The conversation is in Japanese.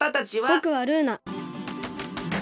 ぼくはルーナ。